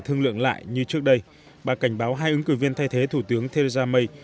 thương lượng lại như trước đây bà cảnh báo hai ứng cử viên thay thế thủ tướng theresa may